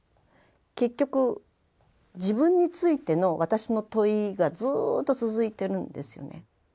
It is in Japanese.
結局自分についての私の問いがずっと続いてるんですよね。